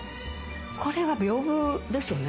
これは屏風ですね